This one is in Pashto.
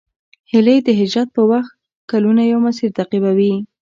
هیلۍ د هجرت په وخت کلونه یو مسیر تعقیبوي